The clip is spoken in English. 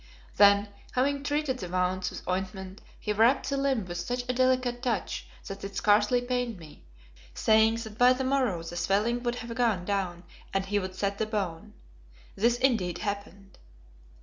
Then, having treated the wounds with ointment, he wrapped the limb with such a delicate touch that it scarcely pained me, saying that by the morrow the swelling would have gone down and he would set the bone. This indeed happened.